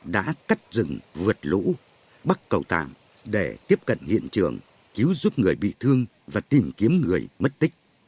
đã cắt rừng vượt lũ bắt cầu tạm để tiếp cận hiện trường cứu giúp người bị thương và tìm kiếm người mất tích